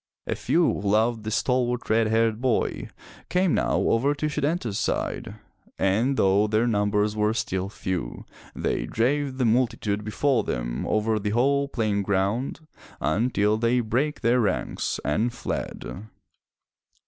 A few who loved the stalwart red haired boy, came now over to Setanta's side, and though their numbers still were few, they drave the multitude before them over the whole playing ground until they brake their ranks and fled.